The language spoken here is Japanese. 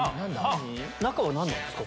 中は何なんですか？